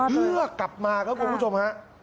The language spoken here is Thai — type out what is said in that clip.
เลือกกลับมาครับคุณผู้ชมฮะ